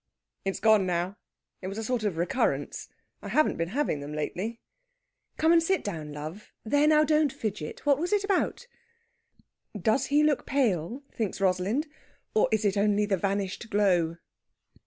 "It's gone now. It was a sort of recurrence. I haven't been having them lately...." "Come and sit down, love. There, now, don't fidget! What was it about?" Does he look pale? thinks Rosalind or is it only the vanished glow?